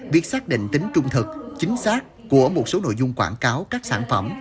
việc xác định tính trung thực chính xác của một số nội dung quảng cáo các sản phẩm